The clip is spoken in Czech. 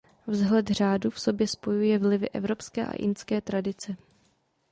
Vzhled řádu v sobě spojuje vlivy evropské a incké tradice.